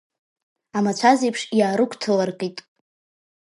Амацәаз еиԥш иаарыгәҭыларкит.